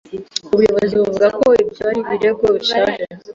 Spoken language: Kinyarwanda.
ubuyobozi buvuga ko ibyo ari "ibirego bishaje"